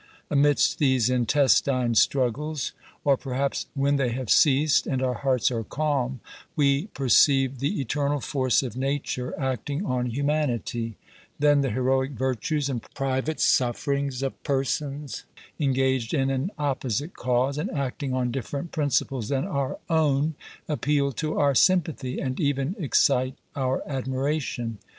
Amidst these intestine struggles, or, perhaps, when they have ceased, and our hearts are calm, we perceive the eternal force of nature acting on humanity; then the heroic virtues and private sufferings of persons engaged in an opposite cause, and acting on different principles than our own, appeal to our sympathy, and even excite our admiration.